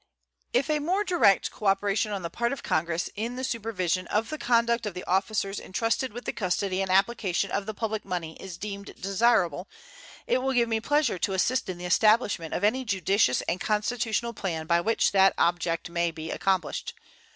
If a more direct cooperation on the part of Congress in the supervision of the conduct of the officers intrusted with the custody and application of the public money is deemed desirable, it will give me pleasure to assist in the establishment of any judicious and constitutional plan by which that object may be accomplished.